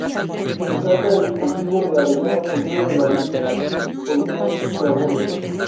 Destaca el cultivo de avellano, seguido de la viña, olivos y almendros.